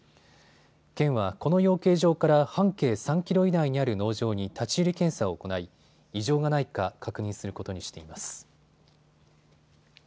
県はこの養鶏場から半径３キロ以内にある農場に立ち入り検査を行い異常がないか確認することにしています。